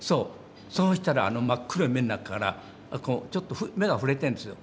そうしたらあの真っ黒い目の中からちょっと目が震えてるんですよ。